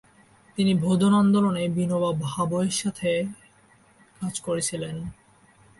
তিনি ভোদন আন্দোলনে বিনোবা ভাভেয়ের সাথে কাজ করেছিলেন।